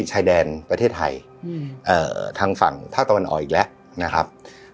ชายแดนประเทศไทยทางฝั่งภาคตะวันออกอีกแล้วนะครับ